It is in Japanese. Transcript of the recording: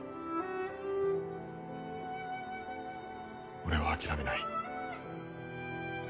俺は諦めない。